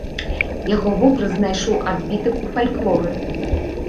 Яго вобраз знайшоў адбітак у фальклоры.